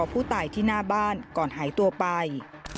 ผู้ตายที่หน้าบ้านก่อนหายตัวไป